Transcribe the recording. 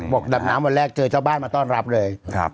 ดำน้ำวันแรกเจอเจ้าบ้านมาต้อนรับเลย